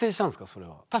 それは。